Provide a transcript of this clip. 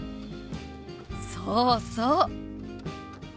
そうそう！